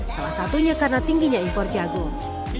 salah satunya karena tingginya impor jagung